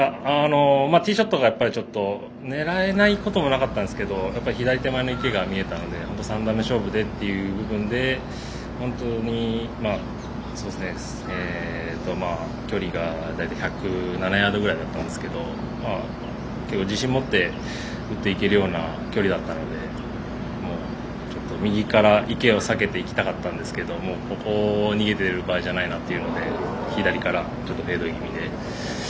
ティーショットがちょっと狙えないこともなかったんですが左手前の池が見えたので３打目勝負でという部分で距離が大体１０７ヤードくらいだったんですけど結構自信を持って打っていける距離だったので右から池を避けていきたかったんですけどここを逃げている場合じゃないということで左からフェード気味で。